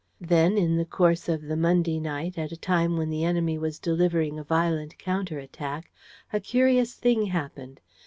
Then, in the course of the Monday night at a time when the enemy was delivering a violent counter attack, a curious thing happened.